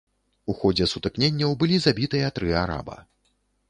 У ходзе сутыкненняў былі забітыя тры араба.